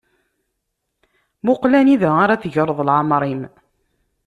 Muqel anida ara tegreḍ leεmeṛ-im.